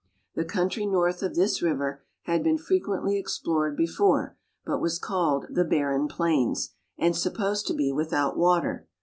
The country north of this river had been frequently explored before, but was called the " barren plains," and supposed to be without water.